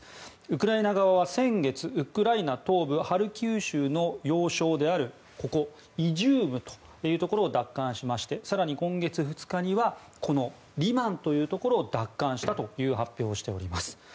ウクライナ側は先月ウクライナ東部ハルキウ州の要衝であるイジュームというところを奪還しまして更に今月２日にはリマンというところを奪還したと発表しております。